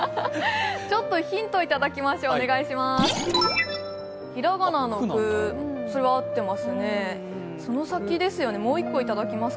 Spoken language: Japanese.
ヒントいただきましょう、お願いします。